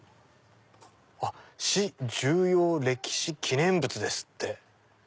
「市重要歴史記念物」ですって！